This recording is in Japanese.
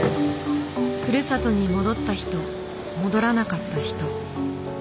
ふるさとに戻った人戻らなかった人。